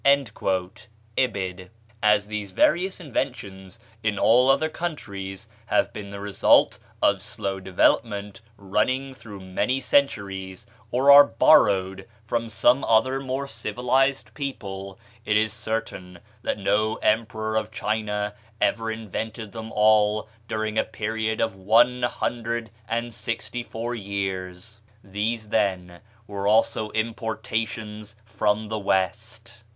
(Ibid.) As these various inventions in all other countries have been the result of slow development, running through many centuries, or are borrowed from some other more civilized people, it is certain that no emperor of China ever invented them all during a period of one hundred and sixty four years. These, then, were also importations from the West.